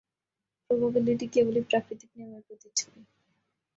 Probability কেবলই প্রাকৃতিক নিয়মের প্রতিচ্ছবি।